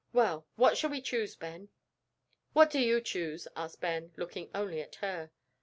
Well, what shall we choose, Ben?" "What do you choose?" asked Ben, looking only at her.